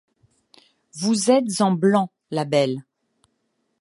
Vous êtes en blanc, la belle ;